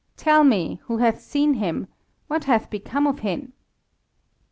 Tell me, who hath seen him? What hath become of him?"